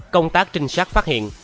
công tác trinh sát phát hiện